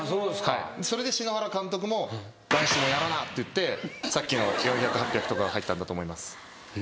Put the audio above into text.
それで篠原監督も。って言ってさっきの４００８００とか入ったんだと思います。